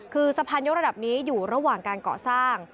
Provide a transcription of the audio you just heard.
คือสะพานยกระดับนี้อยู่ระหว่างการก่อสร้าง